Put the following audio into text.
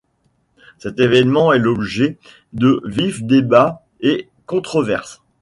Cet événement est l'objet de vifs débats et controverses.